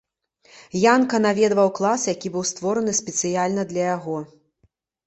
Янка наведваў клас, які быў створаны спецыяльна для яго.